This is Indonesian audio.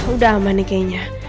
udah aman nih kayaknya